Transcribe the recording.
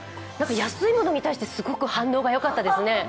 安いものに対して、すごく反応がよかったですね。